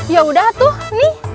ya sudah ini